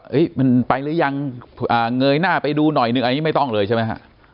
มันไปหรือยังเงยหน้าไปดูหน่อยนึงอันนี้ไม่ต้องเลยใช่ไหมฮะ